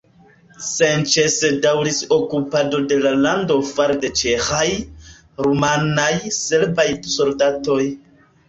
Senĉese daŭris okupado de la lando fare de ĉeĥaj, rumanaj, serbaj soldatoj.